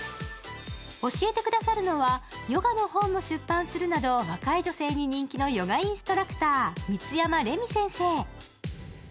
教えてくださるのは、ヨガの本も出版するなど若い女性に人気のヨガインストラクター・蜜山礼巳先生。